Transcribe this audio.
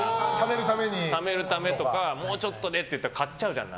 ためるためとかもうちょっとねとか買っちゃうじゃん。